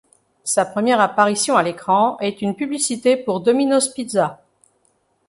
Sa première apparition à l'écran est une publicité pour Domino's Pizza.